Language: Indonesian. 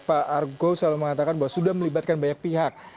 pak argo selalu mengatakan bahwa sudah melibatkan banyak pihak